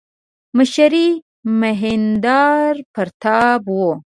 مشر یې مهیندراپراتاپ و.